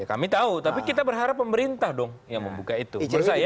kami tahu tapi kita berharap pemerintah dong yang membuka itu